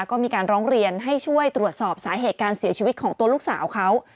ก็มีการร้องเรียนให้ช่วยตรวจสอบสาเหตุการเสียชีวิตของตัวลูกสาวเขา